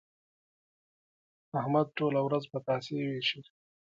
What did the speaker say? احمد ټوله ورځ پتاسې وېشي.